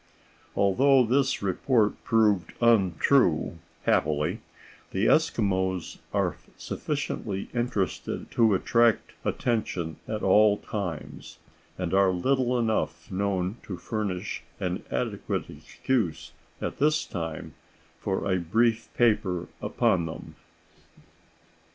Although this report proved untrue, happily, the Eskimos are sufficiently interesting to attract attention at all times, and are little enough known to furnish an adequate excuse at this time for a brief paper upon them.